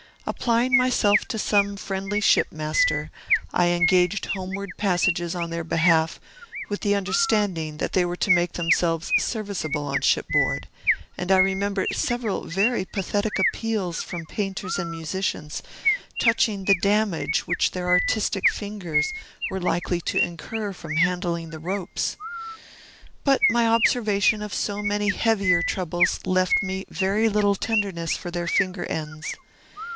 Applying myself to some friendly shipmaster, I engaged homeward passages on their behalf, with the understanding that they were to make themselves serviceable on shipboard; and I remember several very pathetic appeals from painters and musicians, touching the damage which their artistic fingers were likely to incur from handling the ropes. But my observation of so many heavier troubles left me very little tenderness for their finger ends.